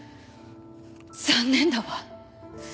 残念だわ。